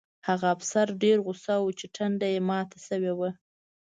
هغه افسر ډېر غوسه و چې ټنډه یې ماته شوې وه